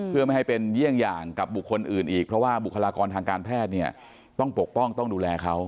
เพื่อไม่ให้เป็นเยี่ยงอย่างกับบุคคลอื่นอีกเพราะว่าบุคลากรทางการแพทย์เนี่ยต้องปกป้องต้องดูแลเขา